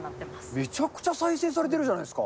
めちゃくちゃ再生されてるじゃないですか。